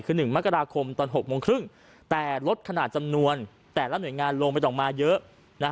คือ๑มกราคมตอน๖โมงครึ่งแต่ลดขนาดจำนวนแต่ละหน่วยงานลงไม่ต้องมาเยอะ